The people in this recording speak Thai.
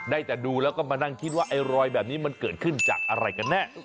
ได้แต่ดูแล้วก็มานั่งคิดว่าไอ้รอยแบบนี้มันเกิดขึ้นจากอะไรกันแน่